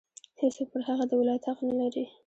هېڅوک پر هغه د ولایت حق نه لري.